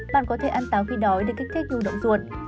bạn có thể ăn táo khi đói để kích thích nhu động ruột